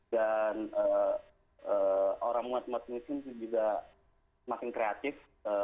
dan orang umat umat muslim juga semakin kreatif